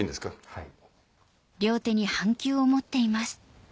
はい。